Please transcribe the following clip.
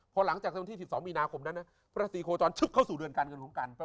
พอหลังจากวันที่๑๒มีนาคมนั้นนะพระศรีโคจรชุกเข้าสู่เดือนการเงินของกัน